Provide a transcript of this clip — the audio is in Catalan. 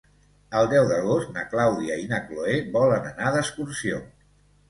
El deu d'agost na Clàudia i na Cloè volen anar d'excursió.